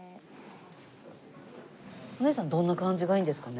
お姉さんどんな感じがいいんですかね？